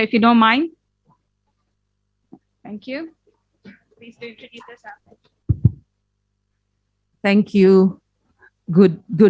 silakan anda bisa mengunjungi ini